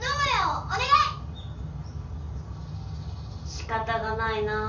しかたがないなぁ。